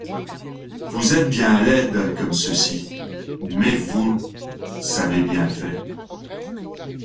Vous êtes bien laides comme ceci, mais vous avez bien fait.